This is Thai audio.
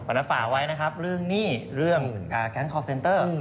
นั้นฝากไว้นะครับเรื่องหนี้เรื่องแก๊งคอร์เซนเตอร์